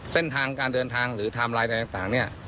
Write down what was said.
เส้นทางการเดินทางหรือไทม์ไลน์อะไรต่างเนี่ย